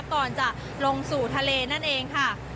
ก่อนจะลงสู่ทะเลนั่นเองค่ะ